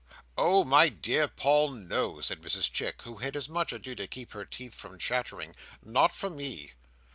"Oh, my dear Paul, no," said Mrs Chick, who had much ado to keep her teeth from chattering; "not for me."